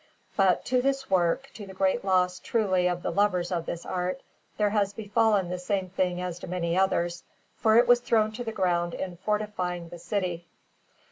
But to this work, to the great loss, truly, of the lovers of this art, there has befallen the same thing as to many others, for it was thrown to the ground in fortifying the city.